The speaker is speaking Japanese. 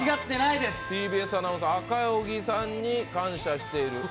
ＴＢＳアナウンサー、赤荻さんに感謝している。